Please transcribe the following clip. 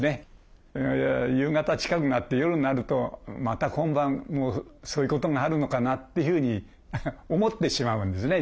夕方近くなって夜になるとまた今晩もそういうことがあるのかなっていうふうに思ってしまうんですね